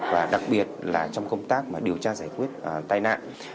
và đặc biệt là trong công tác mà điều tra giải quyết tai nạn